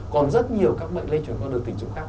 còn rất nhiều các bệnh lên trường con đường tình dục khác